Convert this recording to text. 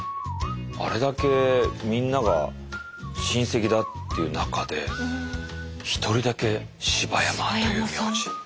あれだけみんなが親戚だっていう中で一人だけ柴山という名字。